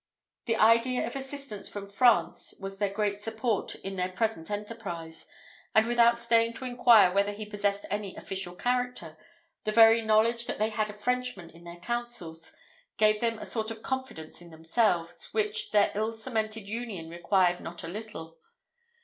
The idea of assistance from France was their great support in their present enterprise; and without staying to inquire whether he possessed any official character, the very knowledge that they had a Frenchman in their councils gave them a sort of confidence in themselves, which their ill cemented union required not a little.